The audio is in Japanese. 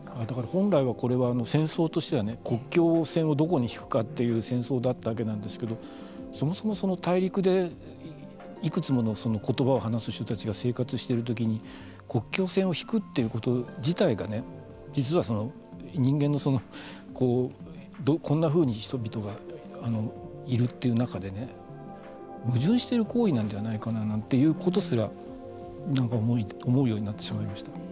本来はこれは戦争としては国境線をどこに引くかという戦争だったわけなんですけどそもそもその大陸でいくつもの言葉を話す人たちが生活している時に国境線を引くということ自体が実は、こんなふうに人々がいるという中で矛盾している行為なんではないかなということすら思うようになってしまいましたね。